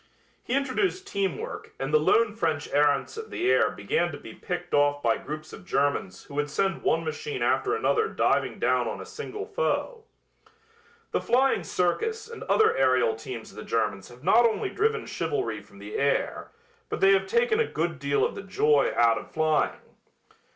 He introduced teamwork and the lone French errants of the air began to be picked off by groups of Germans who would send one machine after another diving down on a single foe. The Flying Circus and other aerial teams of the Germans have not only driven chivalry from the air, but they have taken a good deal of the joy out of flying.